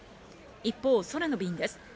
一方、空の便です。